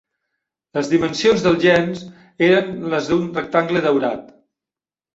Les dimensions del llenç eren les d"un rectangle daurat.